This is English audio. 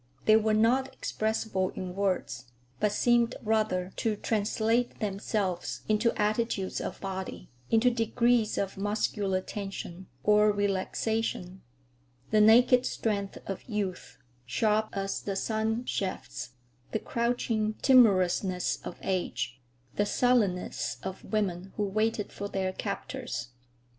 They were not expressible in words, but seemed rather to translate themselves into attitudes of body, into degrees of muscular tension or relaxation; the naked strength of youth, sharp as the sunshafts; the crouching timorousness of age, the sullenness of women who waited for their captors.